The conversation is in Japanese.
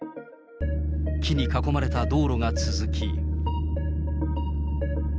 木に囲まれた道路が続き。